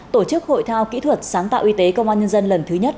tổ chức hội thao kỹ thuật sáng tạo y tế công an nhân dân lần thứ nhất